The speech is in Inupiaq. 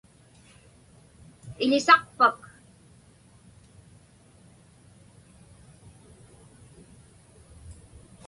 Iḷisaqpak?